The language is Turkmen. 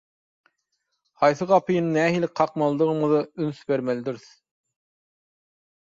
Haýsy gapyny nähili kakmalydygymyza üns bermelidirs.